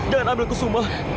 jangan ambil kusuma